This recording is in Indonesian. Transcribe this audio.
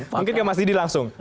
mungkin ke mas didi langsung